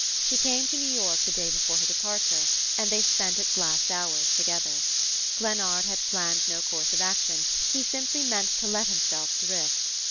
She came to New York the day before her departure, and they spent its last hours together. Glennard had planned no course of action he simply meant to let himself drift.